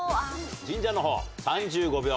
神社の方３５秒。